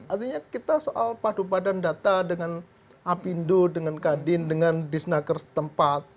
artinya kita soal padu badan data dengan apindo dengan kadin dengan disnaggers tempat